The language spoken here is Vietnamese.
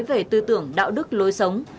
về tư tưởng đạo đức lối sống